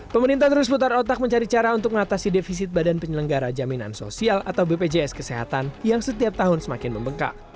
pemerintah terus putar otak mencari cara untuk mengatasi defisit bpn atau bpjs kesehatan yang setiap tahun semakin membengkak